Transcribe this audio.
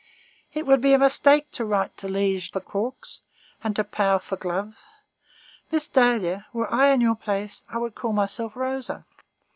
It would be a mistake to write to Liège 2 for corks, and to Pau for gloves. Miss Dahlia, were I in your place, I would call myself Rosa.